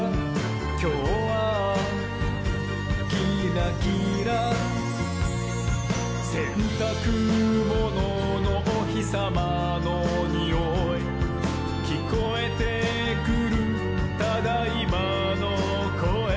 「きょうはキラキラ」「せんたくもののおひさまのにおい」「きこえてくる『ただいま』のこえ」